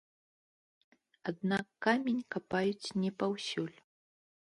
Аднак камень капаюць не паўсюль.